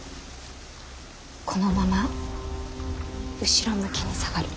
このまま後ろ向きに下がる。